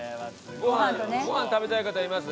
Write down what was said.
ご飯食べたい方います？